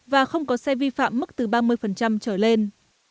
và không có xe vi phạm mức từ ba mươi trở lên